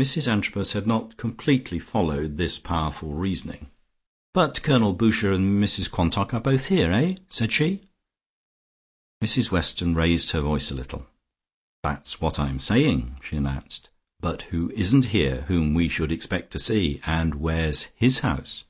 Mrs Antrobus had not completely followed this powerful reasoning. "But Colonel Boucher and Mrs Quantock are both here, eh?" said she. Mrs Weston raised her voice a little. "That's what I'm saying," she announced, "but who isn't here whom we should expect to see, and where's his house?"